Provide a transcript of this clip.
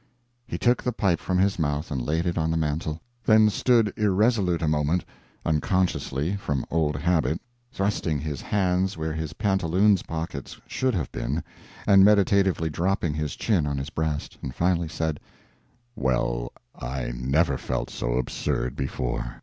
He took the pipe from his mouth and laid it on the mantel, then stood irresolute a moment (unconsciously, from old habit, thrusting his hands where his pantaloons pockets should have been, and meditatively dropping his chin on his breast), and finally said: "Well I never felt so absurd before.